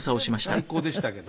最高でしたけど。